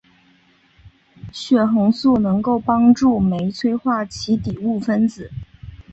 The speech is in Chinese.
血红素能够帮助酶催化其底物分子。